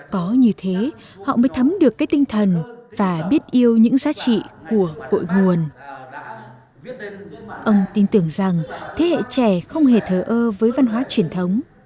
các thế hệ trẻ không hề thờ ơ với văn hóa truyền thống